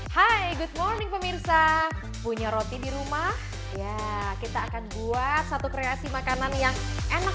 hai good morning pemirsa punya roti di rumah ya kita akan buat satu kreasi makanan yang enak